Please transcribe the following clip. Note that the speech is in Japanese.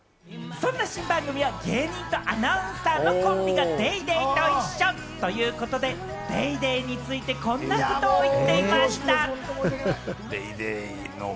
そんな新番組は芸人とアナウンサーのコンビが『ＤａｙＤａｙ．』と一緒ということで、『ＤａｙＤａｙ．』についてこんなことを言っていました。